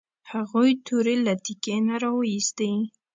هغوی تورې له تیکي نه راویوستې.